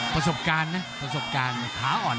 ประสบการณ์นะประสบการณ์